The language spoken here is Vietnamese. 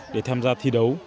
để tham gia thi đấu